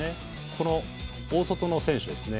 この大外の選手ですね